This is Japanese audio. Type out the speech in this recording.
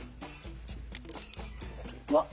うわっ！